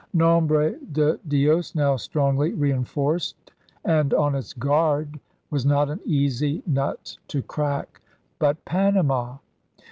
Nombre de Dios, now strongly reinforced and on its guard, was not an easy nut to crack. But Panama?